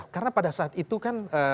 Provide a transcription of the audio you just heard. karena pada saat itu kan